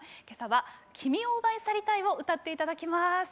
今朝は「君を奪い去りたい」を歌っていただきます。